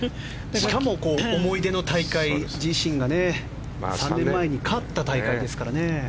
しかも思い出の大会自身が３年前に勝った大会ですからね。